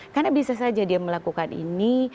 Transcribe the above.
karena bisa saja dia melakukan ini